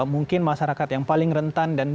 mungkin masyarakat yang paling rentan dan